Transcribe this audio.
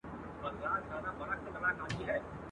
زه له بېرنګۍ سره سوځېږم ته به نه ژاړې.